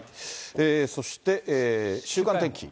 そして、週間天気。